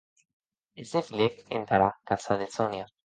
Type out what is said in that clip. E se filèc entara casa de Sonia.